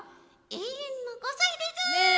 永遠の５歳です。